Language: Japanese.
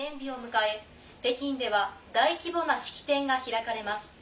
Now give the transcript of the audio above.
北京では大規模な式典が開かれます。